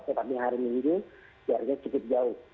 tetapi hari minggu jaraknya cukup jauh